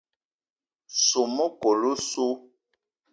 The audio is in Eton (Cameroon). Soo mekol osso.